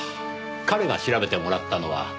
彼が調べてもらったのは。